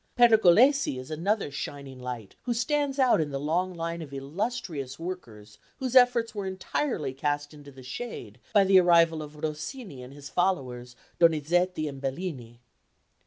Pergolesi is another shining light who stands out in the long line of illustrious workers whose efforts were entirely cast into the shade by the arrival of Rossini and his followers, Donizetti and Bellini.